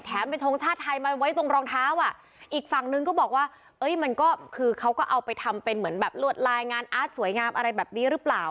เป็นทงชาติไทยมาไว้ตรงรองเท้าอ่ะอีกฝั่งนึงก็บอกว่าเอ้ยมันก็คือเขาก็เอาไปทำเป็นเหมือนแบบลวดลายงานอาร์ตสวยงามอะไรแบบนี้หรือเปล่า